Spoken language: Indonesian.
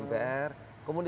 kemudian pentinglah kita perkuat